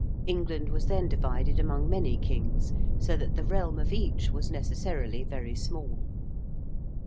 England was then divided among many kings, so that the realm of each was necessarily very small.